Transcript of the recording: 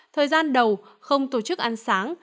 thời gian đầu không tổ chức ăn sáng